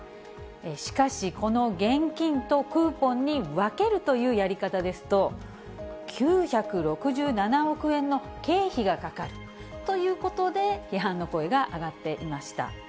しかし、この現金とクーポンに分けるというやり方ですと、９６７億円の経費がかかるということで、批判の声が上がっていました。